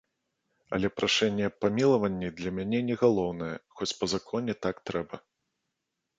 Але прашэнне аб памілаванні для мяне не галоўнае, хоць па законе так трэба.